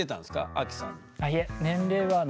アキさんの。